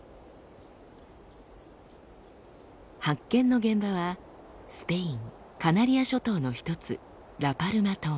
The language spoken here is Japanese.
発見の現場はスペインカナリア諸島の一つラパルマ島。